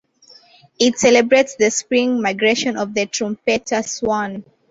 It celebrates the spring migration of the trumpeter swan.